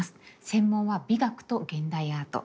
専門は美学と現代アート。